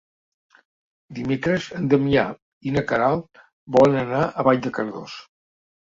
Dimecres en Damià i na Queralt volen anar a Vall de Cardós.